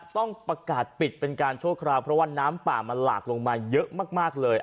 ต้องประกาศปิดเป็นการชั่วคราวเพราะว่าน้ำป่ามันหลากลงมาเยอะมากเลย